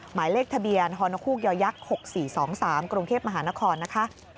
หมายเลขทะเบียนฮนฮูกย๖๔๒๓กรุงเทพมหานครนะคะ